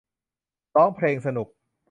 ร้องเพลง สนุก